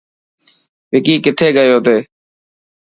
وڪي ڪٿي گيو تي.